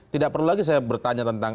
tidak perlu lagi saya bertanya tentang